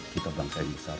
kita bangsa yang besar